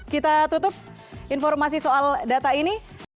kita tutup informasi soal data ini